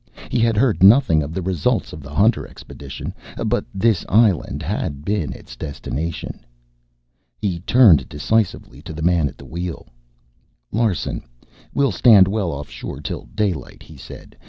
He had heard nothing of the results of the Hunter expedition. But this island had been its destination. He turned decisively to the man at the wheel. "Larsen, we'll stand well offshore till daylight," he said.